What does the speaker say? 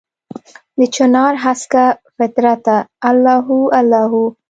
دچنارهسکه فطرته الله هو، الله هو